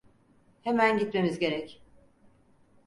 Hemen gitmemiz gerek!